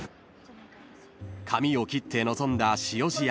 ［髪を切って臨んだ汐路役］